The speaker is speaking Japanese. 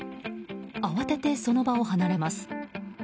慌てて、その場を離れます。